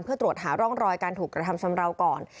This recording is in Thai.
เพื่อตรวจหาร่องรอยการถูกกระทำชำราวก่อน